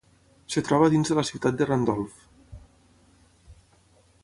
Es troba dins de la ciutat de Randolph.